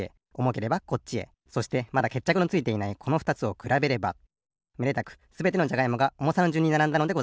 そしてまだけっちゃくのついていないこのふたつをくらべればめでたくすべてのじゃがいもがおもさのじゅんにならんだのでございます。